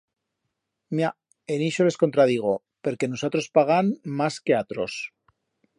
Mia, en ixo les contradigo, perque nusatros pagam mas que atros.